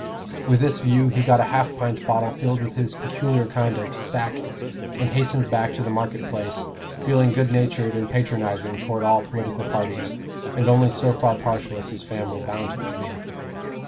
With this view he got a half pint bottle filled with his peculiar kind of "sack," and hastened back to the market place, feeling good natured and patronizing toward all political parties, and only so far partial as his family bound him to be.